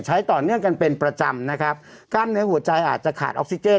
ใช้ต่อเนื่องกันเป็นประจำนะครับกล้ามเนื้อหัวใจอาจจะขาดออกซิเจน